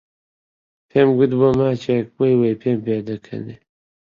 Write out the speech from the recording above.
پێم کوت بۆ ماچێک وەی وەی پێم پێ دەکەنێ